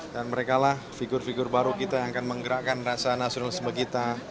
dan mereka lah figur figur baru kita yang akan menggerakkan rasa nasionalisme kita